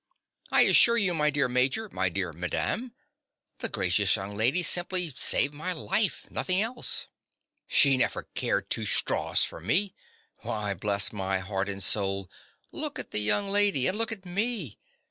I assure you, my dear Major, my dear Madame, the gracious young lady simply saved my life, nothing else. She never cared two straws for me. Why, bless my heart and soul, look at the young lady and look at me.